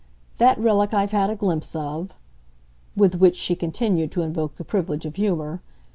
That relic I've had a glimpse of" with which she continued to invoke the privilege of humour.